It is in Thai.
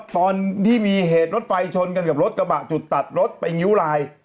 ตอนที่มีเหตุรถไฟชนกันกับรถกระบะจุดตัดรถไปงิ้วลาย